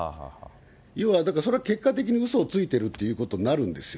要はだからそれは結果的にうそをついているということになるんですよ。